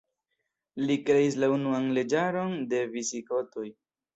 Li kreis la unuan leĝaron de Visigotoj.